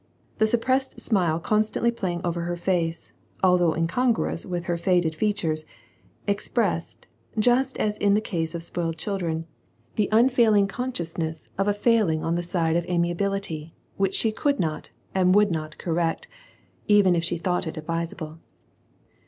The suppressed smile constantly playing over her face, although incongruous with her faded features, expressed, just as in the case of spoiled children, the unfailing consciousness of a fail t WAR AND PEACE. 3 ing on the side of amiability, which she could not and would not correct, even if she thought it advisable.